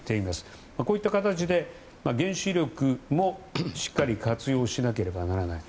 こういった形で、原子力もしっかり活用しなければならない。